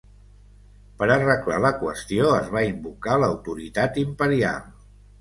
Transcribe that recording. Per arreglar la qüestió es va invocar l'autoritat imperial.